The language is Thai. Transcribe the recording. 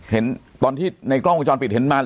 เห็นตอนที่ในกล้องวงจรปิดเห็นมัน